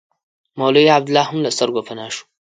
مولوي عبیدالله هم له سترګو پناه شو.